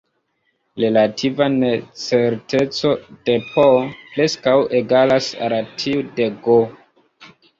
Relativa necerteco de "P" preskaŭ egalas al tiu de "G".